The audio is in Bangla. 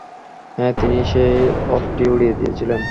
হ্যাঁ, তিনিই সেই অপটি উড়িয়ে দিয়েছিলেন।